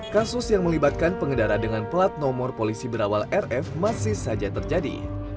kasus yang melibatkan pengendara dengan plat nomor polisi berawal rf masih saja terjadi